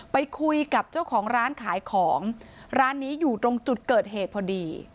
ไปคุยกับเจ้าของร้านขายของร้านนี้อยู่ตรงจุดเกิดเหตุพอดี